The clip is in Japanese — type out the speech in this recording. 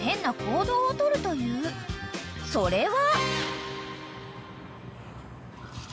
［それは］